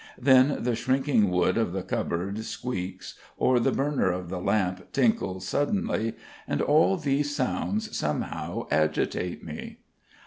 Then the shrinking wood of the cupboard squeaks or the burner of the lamp tinkles suddenly, and all these sounds somehow agitate me.